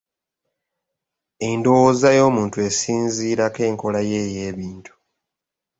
Endowooza y'omuntu esinziirako enkola ye ey'ebintu.